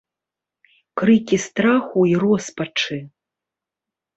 Крыкі страху і роспачы.